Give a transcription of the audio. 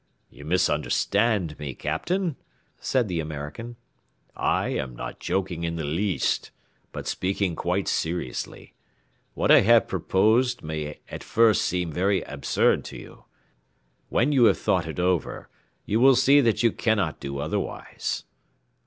"You misunderstand me, Captain," said the American. "I am not joking in the least, but speaking quite seriously. What I have proposed may at first seem very absurd to you; when you have thought it over, you will see that you cannot do otherwise."